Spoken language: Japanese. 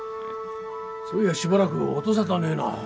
そういやしばらく音沙汰ねえな。